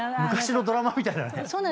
昔のドラマみたいだね。